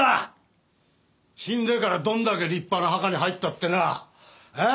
死んでからどんだけ立派な墓に入ったってなえ？